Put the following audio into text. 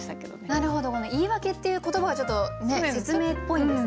なるほどこの「言い訳」っていう言葉がちょっと説明っぽいんですね。